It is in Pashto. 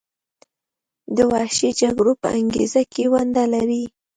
د وحشي جګړو په انګیزه کې ونډه لري.